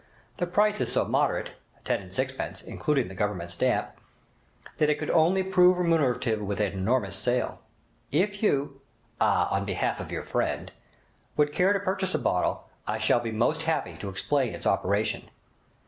The price is so moderate—ten and sixpence, including the Government stamp—that it could only prove remunerative with an enormous sale. If you—ah, on behalf of your friend!—would care to purchase a bottle, I shall be most happy to explain its operation.'